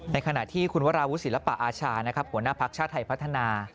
ในขณะที่คุณวราวุฒิศิลปะอาชาหัวหน้าภักษ์ชาติไทยพัฒนา